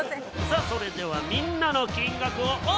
さあそれではみんなの金額をオープン！